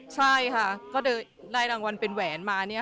ใช่ค่ะก็ได้รางวัลเป็นแหวนมา